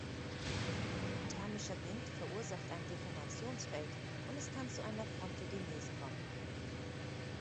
Thermischer Wind verursacht ein Deformationsfeld und es kann zu einer Frontogenese kommen.